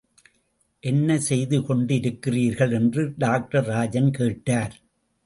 என்ன செய்து கொண்டிருக்கிறீர்கள்? என்று டாக்டர் ராஜன் கேட்டார்.